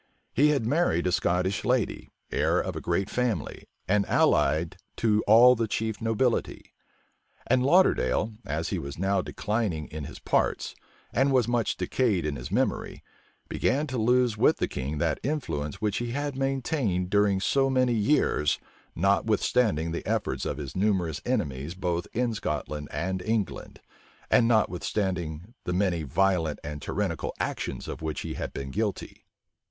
He had married a Scottish lady, heir of a great family, and allied to all the chief nobility. And Lauderdale, as he was now declining in his parts, and was much decayed in his memory, began to lose with the king that influence which he had maintained during so many years, notwithstanding the efforts of his numerous enemies both in Scotland and England, and notwithstanding the many violent and tyrannical actions of which he had been guilty.